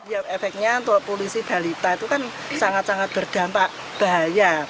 ya efeknya untuk polisi balita itu kan sangat sangat berdampak bahaya